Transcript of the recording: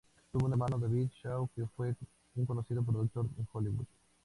Tuvo un hermano, David Shaw, que fue un conocido productor en Hollywood.